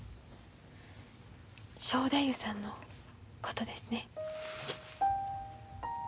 正太夫さんのことですね？